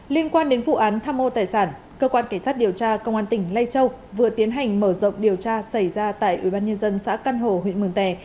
liên quan đến vụ án tham ô tài sản cơ quan cảnh sát điều tra công an tỉnh lai châu vừa tiến hành mở rộng điều tra xảy ra tại ubnd xã căn hồ huyện mường tè